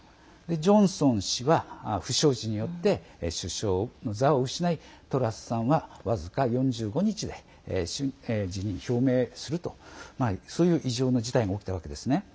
ジョンソン氏は不祥事によって首相の座を失いトラスさんは僅か４５日で辞任表明するとそういう異常な事態も起きたわけですね。